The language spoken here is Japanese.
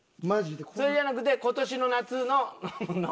それじゃなくて今年の夏のノブの海